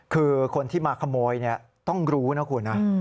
คือคนที่มาขโมยต้องรู้นะคุณนะ